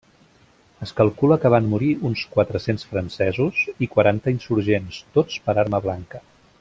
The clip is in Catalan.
Es calcula que van morir uns quatre-cents francesos i quaranta insurgents, tots per arma blanca.